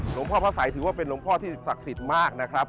หลวงพ่อพระสัยถือว่าเป็นหลวงพ่อที่ศักดิ์สิทธิ์มากนะครับ